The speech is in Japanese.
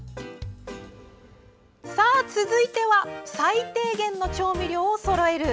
続いては最低限の調味料をそろえる。